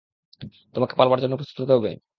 তোমাকে পালাবার জন্য প্রস্তুত হতে হবে!